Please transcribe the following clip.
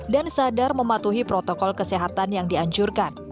dan sadar mematuhi protokol kesehatan yang dianjurkan